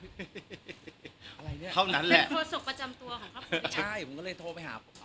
เป็นโทรสกประจำตัวของครับคุณจ๋า